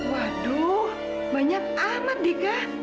waduh banyak amat dika